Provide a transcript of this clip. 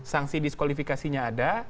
sanksi diskualifikasinya ada